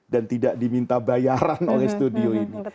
dan tidak diminta bayaran oleh studio ini